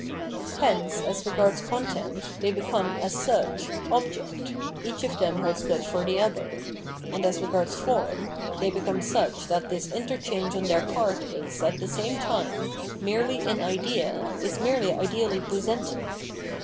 Hence, as re gards content, they become, as such, object, each of them holds good for the other; and, as regards form, they become such that this interchange on their part is, at the same time, merely in idea, is merely ideally presented.